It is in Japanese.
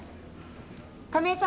亀井さん